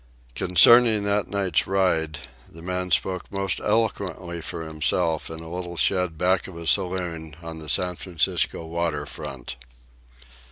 Concerning that night's ride, the man spoke most eloquently for himself, in a little shed back of a saloon on the San Francisco water front.